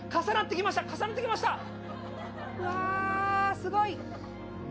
すごい。